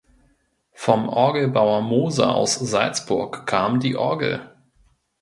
Vom Orgelbauer Moser aus Salzburg kam die Orgel.